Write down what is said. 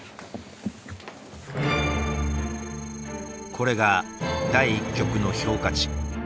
これが第１局の評価値。